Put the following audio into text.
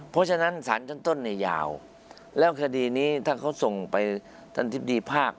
เพราะฉะนั้นสารชั้นต้นเนี่ยยาวแล้วคดีนี้ถ้าเขาส่งไปท่านอธิบดีภาค